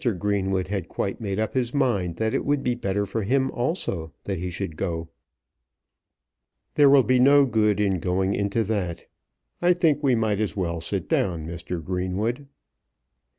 Greenwood had quite made up his mind that it would be better for him also that he should go. "There will be no good in going into that. I think we might as well sit down, Mr. Greenwood."